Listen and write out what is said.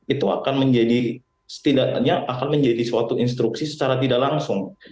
itu akan menjadi setidaknya akan menjadi suatu instruksi secara tidak langsung